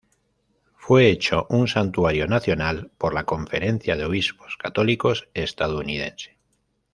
Fue hecho un santuario nacional por la Conferencia de Obispos Católicos estadounidense.